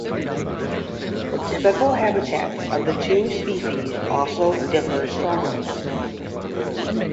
The typical habitats of the two species also differ strongly.